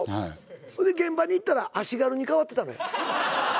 ほいで現場に行ったら足軽に変わってたのよ。